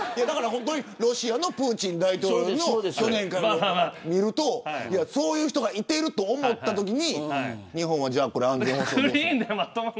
本当にロシアのプーチン大統領の去年からの見るとそういう人がいてると思ったときに日本は安全保障でとか。